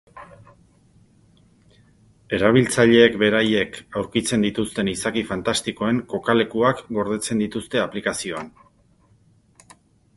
Erabiltzaileek beraiek aurkitzen dituzten izaki fantastikoen kokalekuak gordetzen dituzte aplikazioan.